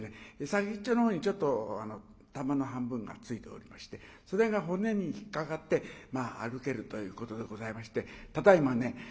先っちょのほうにちょっと玉の半分がついておりましてそれが骨に引っ掛かってまあ歩けるということでございましてただいまね